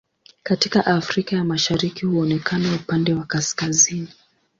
Katika Afrika ya Mashariki huonekana upande wa kaskazini.